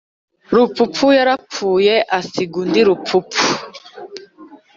Rupfupfu yarapfuye asiga undi Rupfupfu.